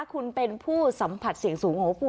คุณเป็นผู้สัมผัสเสี่ยงสูง